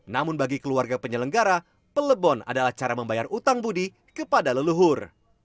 namun bagi keluarga penyelenggara pelebon adalah cara membayar utang budi kepada leluhur